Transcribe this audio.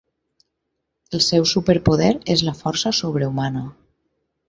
El seu superpoder és la força sobrehumana.